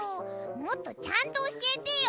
もっとちゃんとおしえてよ。